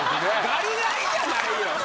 ガリガリじゃないよ。